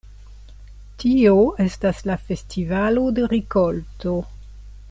Tio estas la festivalo de rikolto.